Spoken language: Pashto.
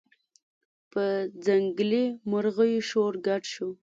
په ځنګلي مرغیو شور ګډ شو